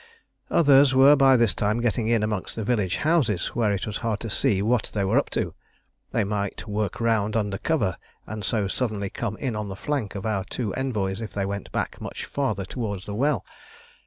Others were by this time getting in amongst the village houses, where it was hard to see what they were up to. They might work round under cover, and so suddenly come in on the flank of our two envoys if they went back much farther towards the well.